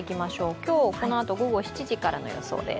今日このあと午後７時からの予想です。